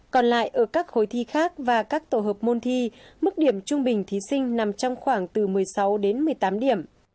trong các khối b khác và các tổ hợp môn thi mức điểm trung bình thí sinh nằm trong khoảng từ một mươi sáu đến một mươi tám điểm